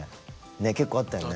ねっ結構あったよね。